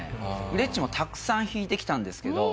グレッチもたくさん弾いてきたんですけど